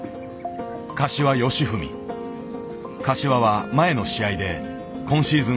柏は前の試合で今シーズン